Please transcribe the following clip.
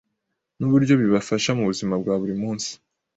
n’uburyo bibafasha mu buzima bwa buri munsi.